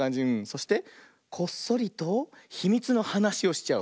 そしてこっそりとひみつのはなしをしちゃおう。